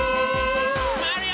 まわるよ。